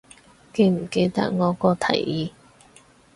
記唔記得我個提議